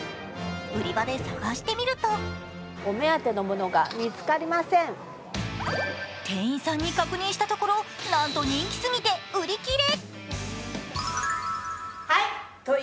売り場で探してみると店員さんに確認したところなんと人気すぎて売り切れ。